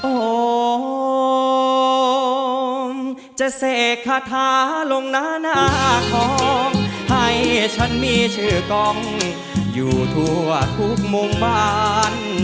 โอมจะเสกคาถาลงหน้าหน้าของให้ฉันมีชื่อกล้องอยู่ทั่วทุกมุมบ้าน